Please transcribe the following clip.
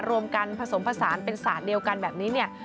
รวมกันผสมผสานเป็นศาสตร์เดียวกันแบบนี้เนี่ย